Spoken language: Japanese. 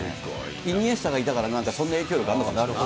イニエスタがいたからなんかそんな影響力があるのかな。